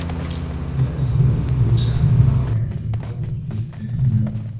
يَا أَيُّهَا الْإِنْسَانُ مَا غَرَّكَ بِرَبِّكَ الْكَرِيمِ